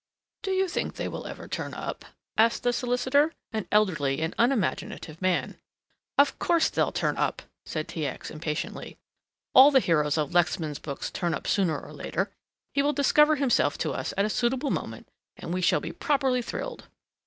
"Do you think they will ever turn up?" asked the solicitor, an elderly and unimaginative man. "Of course, they'll turn up!" said T. X. impatiently; "all the heroes of Lexman's books turn up sooner or later. He will discover himself to us at a suitable moment, and we shall be properly thrilled."